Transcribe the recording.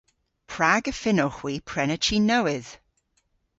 Prag y fynnowgh hwi prena chi nowydh?